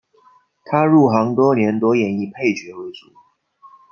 他入行多年多演绎配角为主。